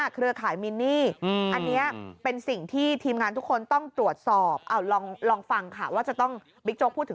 เครือข่ายมินนี่อันนี้เป็นสิ่งที่ทีมงานทุกคนต้องตรวจสอบ